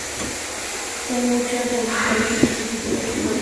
Son muchas las sustancias utilizadas por deportistas o su personal de apoyo.